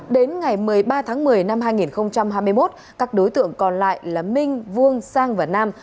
đến ngày một mươi ba tháng một mươi năm hai nghìn hai mươi một các đối tượng còn lại là minh vuông sang và nam